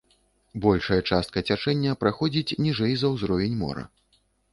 Большая частка цячэння праходзіць ніжэй за ўзровень мора.